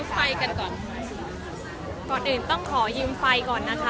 ไฟกันก่อนก่อนอื่นต้องขอยืมไฟก่อนนะคะ